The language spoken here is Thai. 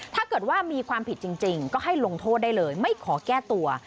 ถ้าเกิดว่ามีความผิดจริงก็ให้ลงโทษได้เลยไม่ขอแก้ตัว